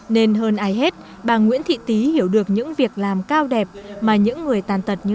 nên hơn ai hết bà nguyễn thị tý hiểu được những việc làm cao đẹp mà những người tàn tật như